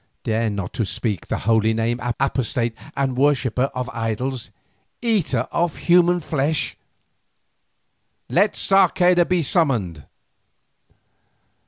"Dare not to speak that holy Name, apostate and worshipper of idols, eater of human flesh. Let Sarceda be summoned."